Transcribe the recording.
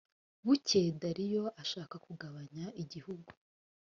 bukeye dariyo ashaka kugabanya igihugu